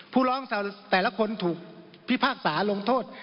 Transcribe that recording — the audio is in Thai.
ผู้ร้องแต่ละคนถูกพิพากษาลงโทษ